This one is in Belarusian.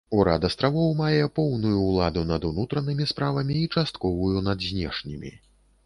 Урад астравоў мае поўную ўладу над унутранымі справамі і частковую над знешнімі.